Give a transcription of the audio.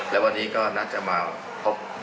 แล้ววันนี้ก็น่าจะมาพบ